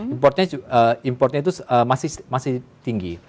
importnya importnya itu masih tinggi